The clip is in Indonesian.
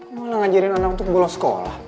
kamu mau ngajarin anak untuk bolos sekolah